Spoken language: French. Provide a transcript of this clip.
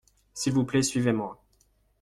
S’il vous plait suivez-moi.